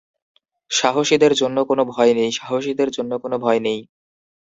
সাহসীদের জন্য কোন ভয় নেই; সাহসীদের জন্য কোন ভয় নেই।